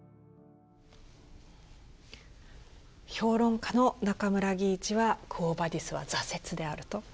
評論家の中村義一は「クォ・ヴァディス」は挫折であると。